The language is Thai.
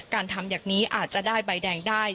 ทำอย่างนี้อาจจะได้ใบแดงได้